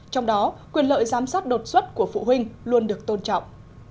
trong đó quyền lợi giám sát đột xuất của phụ huynh luôn được tôn trọng